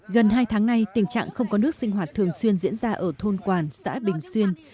gần hai tháng nay tình trạng không có nước sinh hoạt thường xuyên diễn ra ở thôn quản xã bình xuyên